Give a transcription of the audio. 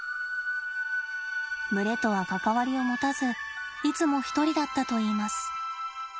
群れとは関わりを持たずいつも一人だったといいます。